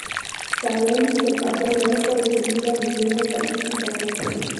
Salem se pasó el resto de su vida viviendo pacíficamente.